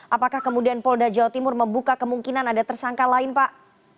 apakah kemudian polda jawa timur membuka kemungkinan ada tersangka lain pak